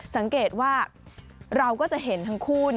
สังเกตว่าเราก็จะเห็นทั้งคู่